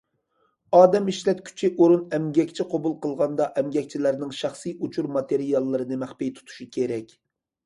ئادەم ئىشلەتكۈچى ئورۇن ئەمگەكچى قوبۇل قىلغاندا، ئەمگەكچىلەرنىڭ شەخسىي ئۇچۇر ماتېرىياللىرىنى مەخپىي تۇتۇشى كېرەك.